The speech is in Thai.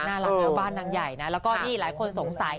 น่ารักนะบ้านนางใหญ่นะแล้วก็นี่หลายคนสงสัย